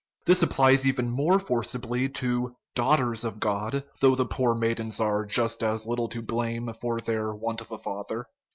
This applies even more forcibly to " daughters of God," though the poor maidens are just as little to blame for their want of a father.